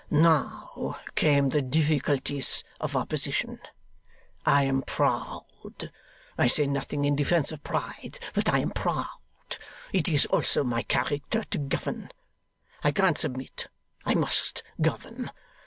'Now came the difficulties of our position. I am proud. I say nothing in defence of pride, but I am proud. It is also my character to govern. I can't submit; I must govern.